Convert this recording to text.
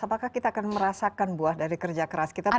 apakah kita akan merasakan buah dari kerja keras kita